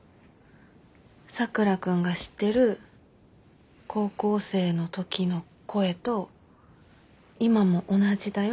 佐倉君が知ってる高校生のときの声と今も同じだよ。